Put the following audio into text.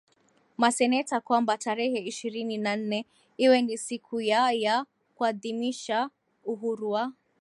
maseneta kwamba tarehe ishirini na nne iwe ni siku ya ya kuadhimisha uhuru wa